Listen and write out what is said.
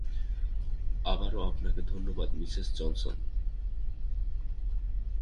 আবারো আপনাকে ধন্যবাদ মিসেস জনসন।